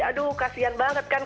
aduh kasihan banget kan